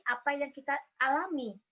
apa yang kita alami